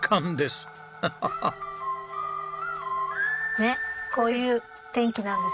ねっこういう天気なんです。